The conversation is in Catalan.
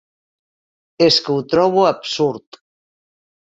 És que ho trobo absurd.